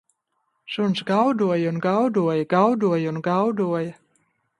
Suns gaudoja un gaudoja, gaudoja un gaudoja